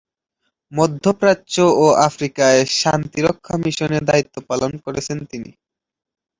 মধ্যপ্রাচ্য ও আফ্রিকায় শান্তিরক্ষা মিশনে দায়িত্ব পালন করেছেন তিনি।